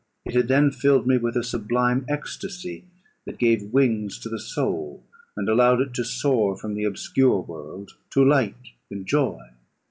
It had then filled me with a sublime ecstasy, that gave wings to the soul, and allowed it to soar from the obscure world to light and joy.